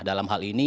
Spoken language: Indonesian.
dalam hal ini